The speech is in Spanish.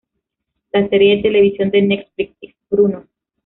La serie de televisión de Netflix "It's Bruno!